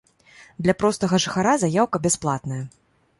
Для простага жыхара заяўка бясплатная.